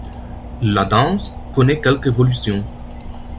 La danse connaît quelques évolutions.